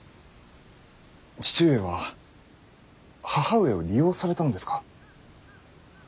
父上は義母上を利用されたのですか。